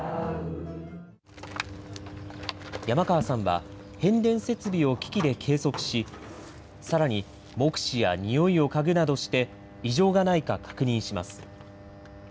山川さんは、変電設備を機器で計測し、さらに目視やにおいを嗅ぐなどして、異常がないか確認します。